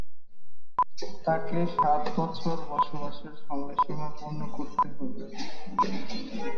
তাকে সাত বছর বসবাসের সময়সীমা পূর্ণ করতে হবে।